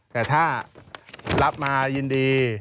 แต่ถ้ารับมายินดี